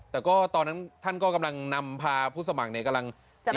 แต่ก็ตอนนั้นท่านก็กำลังนำพาผู้สมัครเนี่ยกำลัง